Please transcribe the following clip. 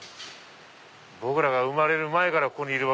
僕らが生まれる前からここに。